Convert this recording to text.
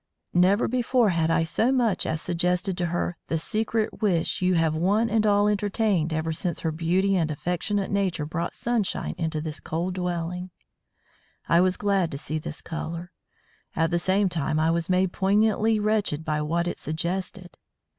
Never before had I so much as suggested to her the secret wish you have one and all entertained ever since her beauty and affectionate nature brought sunshine into this cold dwelling. I was glad to see this colour; at the same time I was made poignantly wretched by what it suggested.